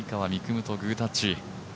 夢とグータッチ。